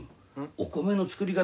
お米の作り方